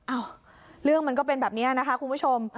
อ้าวเรื่องมันก็เป็นแบบนี้นะคะคุณผู้ชม